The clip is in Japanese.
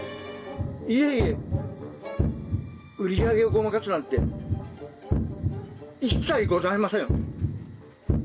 いえいえ売り上げをごまかすなんて一切ございません。